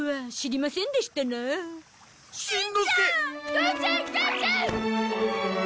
父ちゃん母ちゃん！